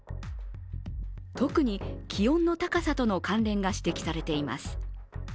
特に気温の高さとの関連が指摘されています。